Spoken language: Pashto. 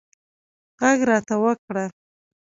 غږ راته وکړه